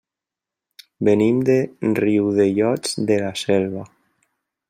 Venim de Riudellots de la Selva.